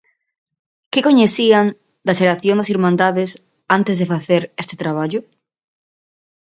Que coñecían da Xeración das Irmandades antes de facer este traballo?